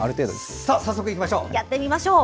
早速いきましょう。